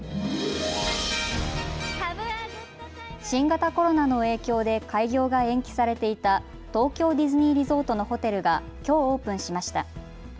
新型コロナの影響で開業が延期されていた東京ディズニーリゾートのホテルがきょうオープンしました。